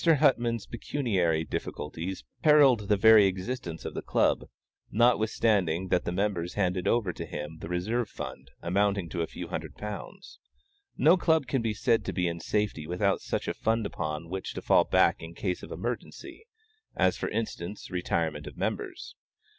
Huttman's pecuniary difficulties perilled the very existence of the Club, notwithstanding that the members handed over to him the reserve fund, amounting to a few hundred pounds. No Club can be said to be in safety without such a fund upon which to fall back in case of emergency, as for instance, retirement of members.